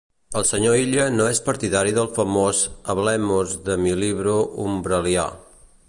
El senyor Illa no és partidari del famós hablemos-de-mi-libro umbral·lià.